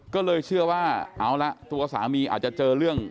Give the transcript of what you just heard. ก็เลยเชื่อว่าเอาละตัวสามีอาจจะเจอเรื่อง